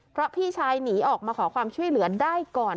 เพราะพี่ชายหนีออกมาขอความช่วยเหลือได้ก่อน